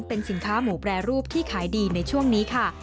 เป็นสินค้าหมูแปรรูปที่ขายดีในช่วงนี้ค่ะ